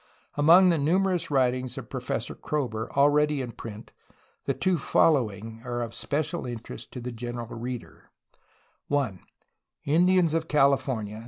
Among the numerous writings of Professor Kroeber already in print, the two following are of special interest to the general reader: 1. Indians of California.